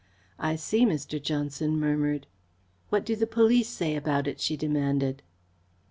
"I see," Mr. Johnson murmured. "What do the police say about it?" she demanded.